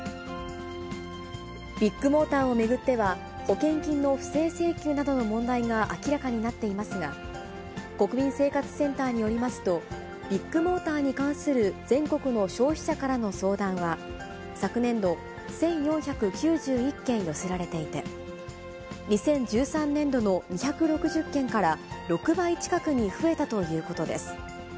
ビッグモーターを巡っては、保険金の不正請求などの問題が明らかになっていますが、国民生活センターによりますと、ビッグモーターに関する全国の消費者からの相談は、昨年度、１４９１件寄せられていて、２０１３年度の２６０件から６倍近くに増えたということです。